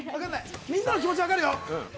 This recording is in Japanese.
みんなの気持ち分かるよ。